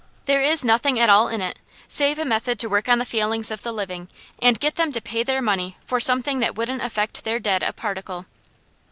There is nothing at all in it, save a method to work on the feelings of the living, and get them to pay their money for something that wouldn't affect their dead a particle."